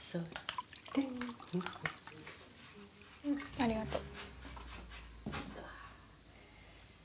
ありがとう。